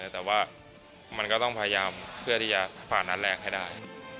แต่ว่ามันก็ต้องพยายามเพื่อที่จะผ่านนัดแรกให้ได้